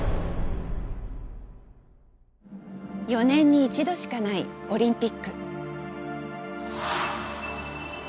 ４年に１度しかないオリンピック。